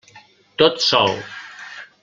Tot sol.